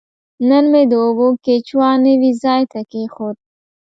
نن مې د اوبو کیچوا نوي ځای ته کیښود.